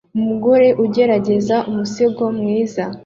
Umugore ugerageza umusego mwiza